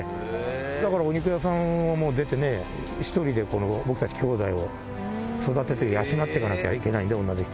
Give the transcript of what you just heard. だから、お肉屋さんを出てね、１人で僕たちきょうだいを育てて、養っていかなきゃいけないんで。